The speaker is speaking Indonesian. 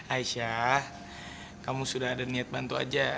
aisyah kamu sudah ada niat bantu aja